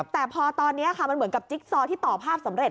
แต่พอตอนนี้ค่ะมันเหมือนกับจิ๊กซอที่ต่อภาพสำเร็